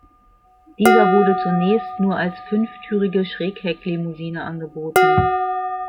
Dieser wurde zunächst nur als fünftürige Schräghecklimousine angeboten.